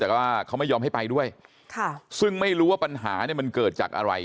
แต่ว่าเขาไม่ยอมให้ไปด้วยค่ะซึ่งไม่รู้ว่าปัญหาเนี่ยมันเกิดจากอะไร